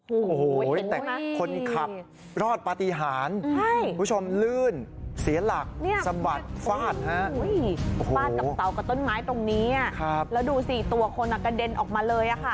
โอ้โหแต่คนขับรอดปฏิหารคุณผู้ชมลื่นเสียหลักสะบัดฟาดฮะฟาดกับเสากับต้นไม้ตรงนี้แล้วดูสิตัวคนกระเด็นออกมาเลยค่ะ